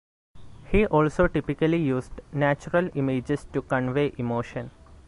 He also typically used natural images to convey emotion.